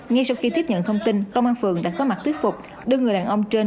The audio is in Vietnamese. ngay sau khi tiếp nhận thông tin công an phường đã có mặt tuyết phục đưa người đàn ông trên